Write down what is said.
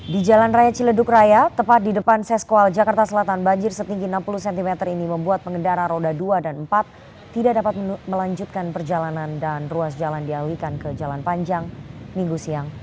di jalan raya ciledug raya tepat di depan seskual jakarta selatan banjir setinggi enam puluh cm ini membuat pengendara roda dua dan empat tidak dapat melanjutkan perjalanan dan ruas jalan dialihkan ke jalan panjang minggu siang